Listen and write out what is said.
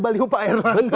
balihoh pak erlangga